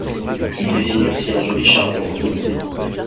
Il désigne aussi un joli chardon d’Andalousie.